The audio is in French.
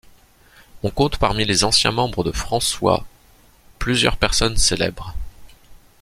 On compte parmi les anciens membres de François-, plusieurs personnes célèbres.